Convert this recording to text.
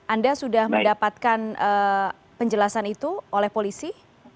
anda sudah mendapatkan penjelasan itu oleh polisi